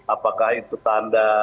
apakah itu tanda